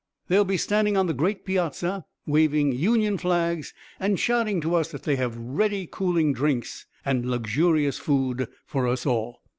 They'll be standing on the great piazza, waving Union flags and shouting to us that they have ready cooling drinks and luxurious food for us all."